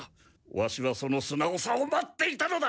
ワシはそのすなおさを待っていたのだ！